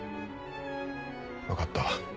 分かった。